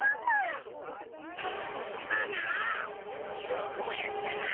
よくもやったな！